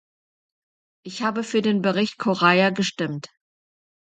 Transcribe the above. Ich habe für den Bericht Correia gestimmt.